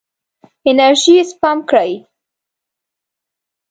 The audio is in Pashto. انرژي سپم کړئ.